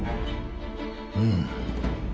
うん。